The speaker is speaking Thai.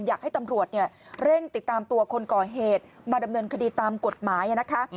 อยากให้ตำรวจเร่งติดตามตัวคนก่อเหตุมาดำเนินคดีตามกฎหมายนะคะ